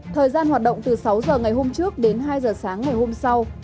thời gian hoạt động từ sáu h ngày hôm trước đến hai giờ sáng ngày hôm sau